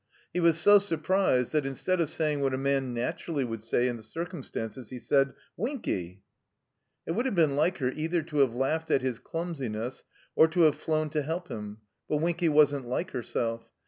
He was so surprised that, instead of saying what a man naturally would say in the circumstances, he said, "WinkyI" It wotild have been like her either to have laughed at his cliunsiness or to have flown to help him, but Winky wasn't like herself.